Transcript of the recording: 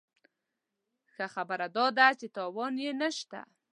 ښه خبره داده چې تاوان یې نه شته.